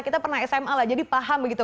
kita pernah sma lah jadi paham begitu